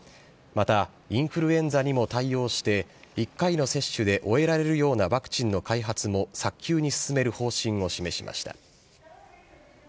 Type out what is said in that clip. また、インフルエンザにも対応して、１回の接種で終えられるようなワクチンの開発も早急に進める方針を示しました。